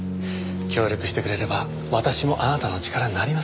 協力してくれれば私もあなたの力になりますよ。